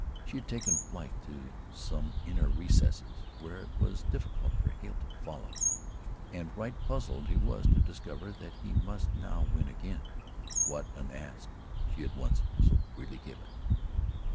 She had taken flight to some inner recess where it was difficult for Hale to follow, and right puzzled he was to discover that he must now win again what, unasked, she had once so freely given.